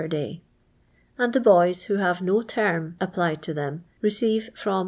„ And the boys, who have no term term applied to them, receive from